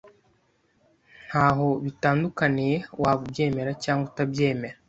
Ntaho bitandukaniye waba ubyemera cyangwa utabyemera.